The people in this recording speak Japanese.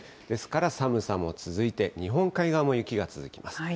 ですから、寒さも続いて、日本海側も雪が続きます。